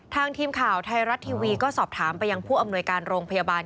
ทีมข่าวไทยรัฐทีวีก็สอบถามไปยังผู้อำนวยการโรงพยาบาล